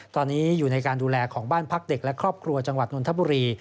ตอนนี้อยู่ในการดูแลของบ้านพักเด็กและครอบครัวจังหวัดนทบุรี